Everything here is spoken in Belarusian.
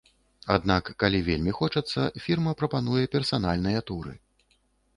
Аднак, калі вельмі хочацца, фірма прапануе персанальныя туры.